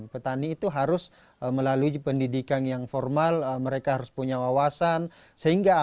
petani itu harus melalui pendidikan yang formal mereka harus punya wawasan sehingga